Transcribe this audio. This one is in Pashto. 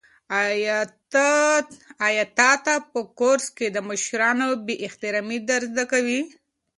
آیا تا ته په کورس کې د مشرانو بې احترامي در زده کوي؟